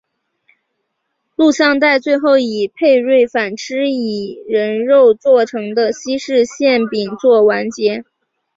录像带最后以佩芮反吃以人肉做成的西式馅饼作完结。